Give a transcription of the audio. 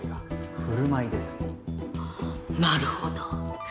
なるほど。